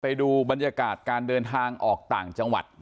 ไปดูบรรยากาศการเดินทางออกต่างจังหวัด